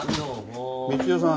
光代さん